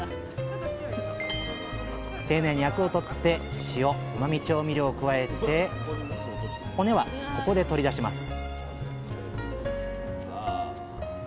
丁寧にアクを取って塩うまみ調味料を加えて骨はここで取り出します